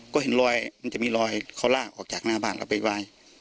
ก็เห็นลอยมันจะมีลอยเค้าราคออกจากหน้าบ้านลอกไปหน่อย